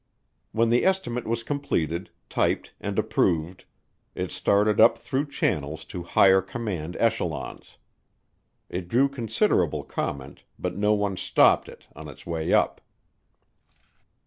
When the estimate was completed, typed, and approved, it started up through channels to higher command echelons. It drew considerable comment but no one stopped it on its way up.